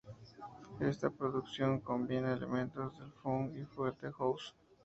Esta producción combina elementos del funk y el future house.